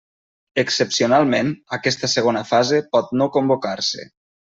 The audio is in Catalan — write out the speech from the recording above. Excepcionalment, aquesta segona fase pot no convocar-se.